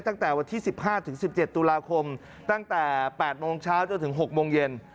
ตั้งแต่วันที่๑๕๑๗ตุลาคมตั้งแต่๘โมงเช้าจนถึง๖โมงเย็น